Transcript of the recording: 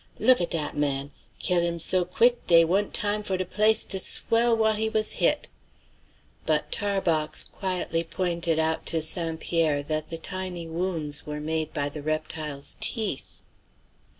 Look at dat man! Kill' him so quick dey wa'n't time for de place to swell whah he was hit!" But Tarbox quietly pointed out to St. Pierre that the tiny wounds were made by the reptile's teeth.